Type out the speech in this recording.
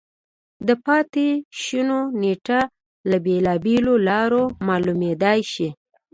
د پاتې شونو نېټه له بېلابېلو لارو معلومېدای شي.